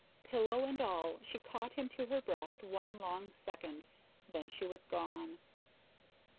Pillow and all, she caught him to her breast one long second; then she was gone.